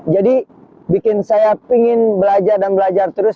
jadi bikin saya ingin belajar dan belajar terus